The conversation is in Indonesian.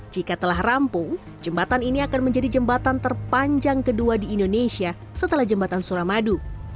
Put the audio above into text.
jika telah rampung jembatan ini akan menjadi jembatan terpanjang kedua di indonesia setelah jembatan suramadu